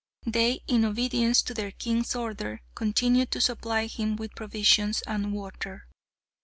They, in obedience to their king's order, continued to supply him with provisions and water.